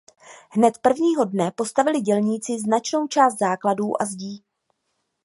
Hned prvního dne postavili dělníci značnou část základů a zdí.